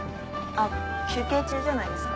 あっ休憩中じゃないですか？